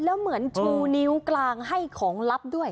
แล้วเหมือนชูนิ้วกลางให้ของลับด้วย